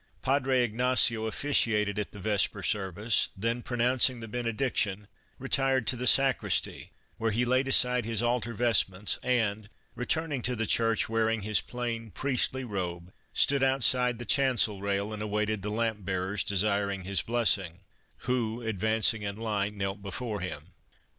Padre Ignacio officiated at the Vesper service, then pronouncing the benediction retired to the Sacristy, where he laid aside his altar vestments and, returning to the church wearing his plain priestly robe, stood outside the chancel rail and awaited the lamp bearers desiring his blessing, Who, advancing in line, knelt before him.